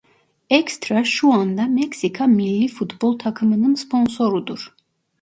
Ekstra şu anda Meksika millî futbol takımının sponsorudur.